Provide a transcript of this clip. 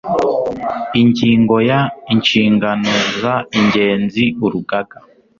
ingingo ya inshingano z ingenzi urugaga